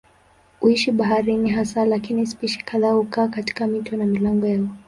Huishi baharini hasa lakini spishi kadhaa hukaa katika mito na milango yao.